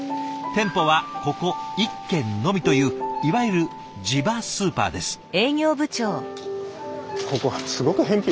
店舗はここ１軒のみといういわゆる地場スーパーです。